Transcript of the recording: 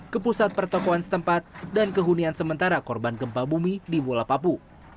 ke pusat pertokohan setempat dan kehunian sementara korban gempa bumi di bola papu